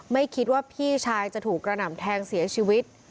ไม่คิดว่าพี่ชายจะถูกกระหน่ำแทงเสียชีวิต